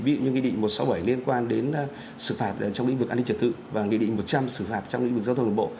ví dụ như nghị định một trăm sáu mươi bảy liên quan đến xử phạt trong lĩnh vực an ninh trật tự và nghị định một trăm linh xử phạt trong lĩnh vực giao thông đường bộ